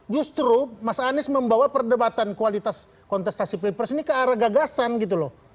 justru mas anies membawa perdebatan kualitas kontestasi pilpres ini ke arah gagasan gitu loh